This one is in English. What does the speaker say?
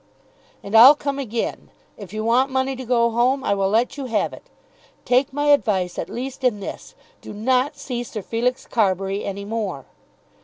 "And I'll come again. If you want money to go home, I will let you have it. Take my advice at least in this; do not see Sir Felix Carbury any more."